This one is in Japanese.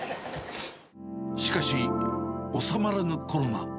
しかし、収まらぬコロナ。